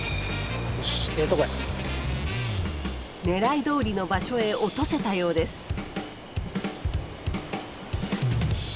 狙いどおりの場所へ落とせたようです。